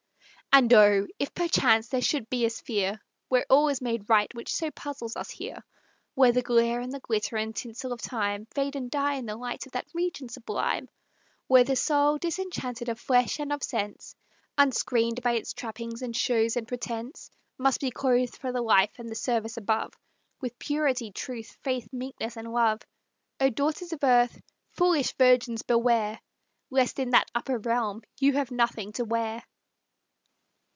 And O! if perchance there should be a sphere Where all is made right which so puzzles us here, Where the glare and the glitter and tinsel of Time Fade and die in the light of that region sublime, Where the soul, disenchanted of flesh and of sense, Unscreened by its trappings and shows and pretense, Must be clothed for the life and the service above, With purity, truth, faith, meekness and love, O daughters of Earth! foolish virgins, beware! Lest in that upper realm you have nothing to wear!